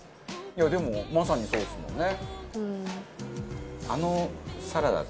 いやでもまさにそうですもんね。